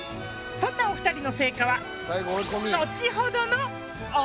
そんなお２人の成果は後ほどのおたのしみ！